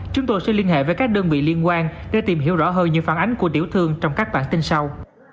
chúng tôi sẽ liên hệ với các đơn vị liên quan để tìm hiểu rõ hơn những phản ánh của tiểu thương trong các bản tin sau